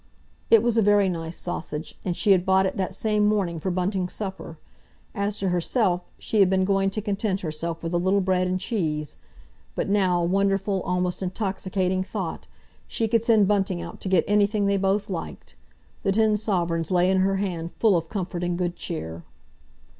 It was a very nice sausage, and she had bought it that same morning for Bunting's supper; as to herself, she had been going to content herself with a little bread and cheese. But now—wonderful, almost, intoxicating thought—she could send Bunting out to get anything they both liked. The ten sovereigns lay in her hand full of comfort and good cheer.